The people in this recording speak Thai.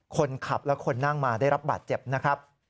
คนขับและคนนั่งมาได้รับบาดเจ็บนะครับ